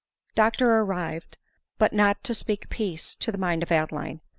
Dr arrived, but not to speak peace to the mind of Adeline.